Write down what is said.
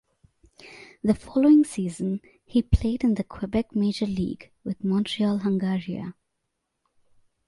The following season he played in the Quebec Major League with Montreal Hungaria.